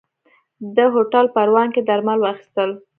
ده هوټل پروان کې درمل واخيستل.